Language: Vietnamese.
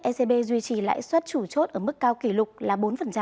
ecb duy trì lãi suất chủ chốt ở mức cao kỷ lục là bốn